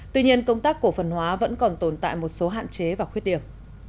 tuy nhiên công tác cổ phần hóa vẫn còn tồn tại một số hạn chế và khuyết điểm